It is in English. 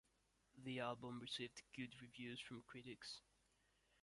The album received good reviews from critics.